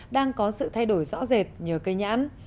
đang có sự thay đổi rõ rệt nhờ cây nhãn